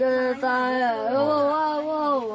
เดี๋ยว